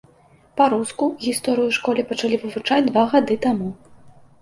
Па-руску гісторыю ў школе пачалі вывучаць два гады таму.